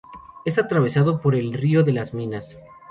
Es atravesado por el río de las Minas.